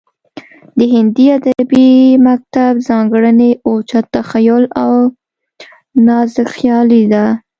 د هندي ادبي مکتب ځانګړنې اوچت تخیل او نازکخیالي ده